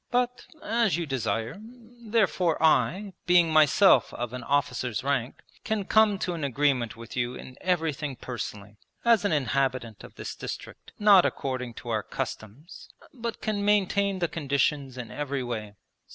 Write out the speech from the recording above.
But, as you desire, therefore I, being myself of an officer's rank, can come to an agreement with you in everything personally, as an inhabitant of this district, not according to our customs, but can maintain the conditions in every way....'